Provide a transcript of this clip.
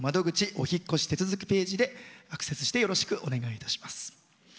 お引っ越し手続きページでアクセスしてよろしくお願いいたします。